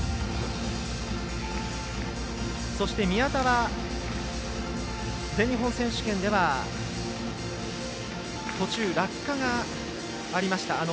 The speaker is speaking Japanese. そして宮田は全日本選手権では途中、落下がありました。